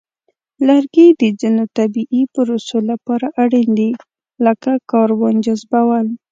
لرګي د ځینو طبیعی پروسو لپاره اړین دي، لکه کاربن جذبول.